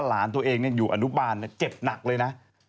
หลานตัวเองหนึ่งอยู่วังบ้านเจ็บหนักเลยนะ